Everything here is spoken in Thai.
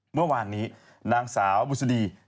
เมื่อวานนี้นางสาวบุษดี